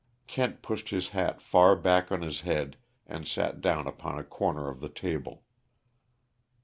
Kent pushed his hat far back on his head and sat down upon a corner of the table.